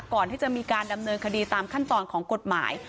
ก่อนที่จะมีการดำเนินคดีตามขั้นตอนของกฎหมาย